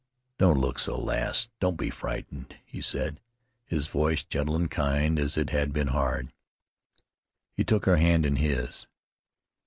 "Don't look so, lass; don't be frightened," he said, his voice gentle and kind as it had been hard. He took her hand in his.